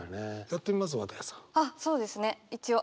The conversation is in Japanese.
一応そうですね